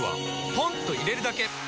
ポンと入れるだけ！